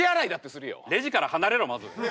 レジから離れろまず。